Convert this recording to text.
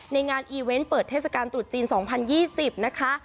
ในงานอีเวนต์เปิดเทศกาลตรุษจีน๒๐๒๐นะคะ